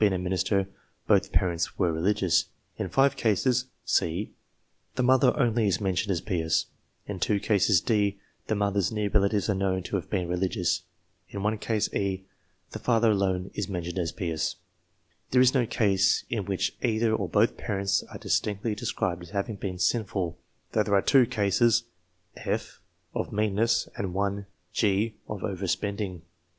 Gouge, Janeway, Winter, DIVINES 253 minister, both parents were religious ; in 5 cases (c) the mother only is mentioned as pious ; in 2 cases (d) the mother's near relatives are known to have been religious ; in 1 case (e) the father alone is mentioned as pious. There is no case in which either or both parents are distinctly described as having been sinful, though there are two cases (/) 1 of meanness, and one (g.) 2 of over spending.